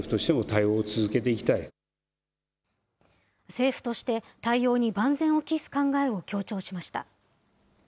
政府として、対応に万全を期す考えを強調しました。